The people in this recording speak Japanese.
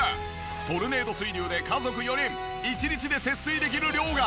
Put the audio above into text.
トルネード水流で家族４人１日で節水できる量が。